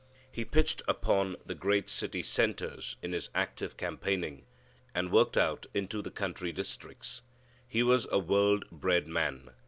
He pitched upon the great city centres in his active campaigning, and worked out into the country districts. He was a world bred man.